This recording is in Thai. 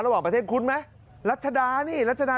ระหว่างประเทศคุณไหมรัชดา